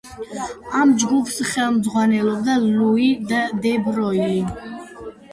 ამ ჯგუფს ხელმძღვანელობდა ლუი დე ბროილი.